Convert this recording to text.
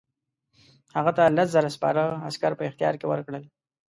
هغه ته لس زره سپاره عسکر په اختیار کې ورکړل.